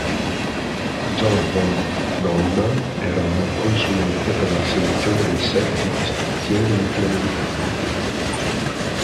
John Von Neumann era un consulente per la selezione del set di istruzioni implementate.